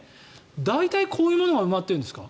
大体こういうものが埋まってるんですか？